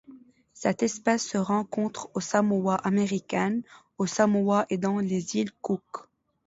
Cette espèce se rencontre aux Samoa américaines, au Samoa et dans les îles Cook.